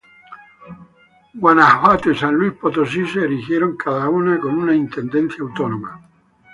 Guanajuato y San Luis Potosí se erigieron cada una con una intendencia autónoma.